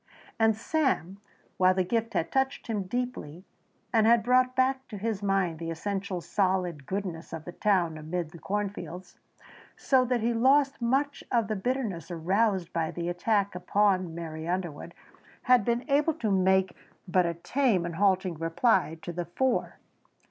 And Sam, while the gift had touched him deeply and had brought back to his mind the essential solid goodness of the town amid the cornfields, so that he lost much of the bitterness aroused by the attack upon Mary Underwood, had been able to make but a tame and halting reply to the four.